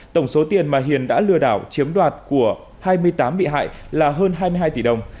tổng số tiền mà hiền đã lừa đảo chiếm đoạt của hai mươi tám bị hại là hơn hai mươi hai tỷ đồng